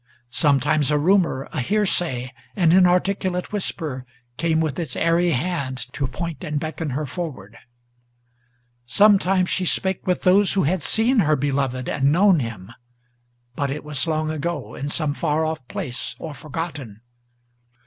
Sometimes a rumor, a hearsay, an inarticulate whisper, Came with its airy hand to point and beckon her forward. Sometimes she spake with those who had seen her beloved and known him, But it was long ago, in some far off place or forgotten.